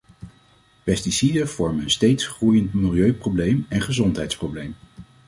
Pesticiden vormen een steeds groeiend milieuprobleem en gezondheidsprobleem.